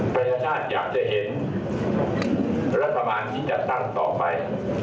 ประชาชนชาติอยากจะเห็นรัฐบาลที่จัดตั้งต่อไป